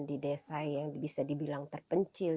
di desa yang bisa dibilang terpencil